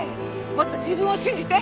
もっと自分を信じて。